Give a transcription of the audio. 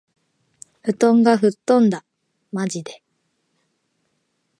布団が吹っ飛んだ。（まじで）